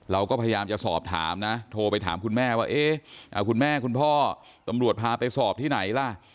เราก็พยายามจะสอบถามนะโทรไปถามคุณแม่ว่าเอ๊ะคุณแม่คุณพ่อตำรวจพาไปสอบที่ไหนล่ะ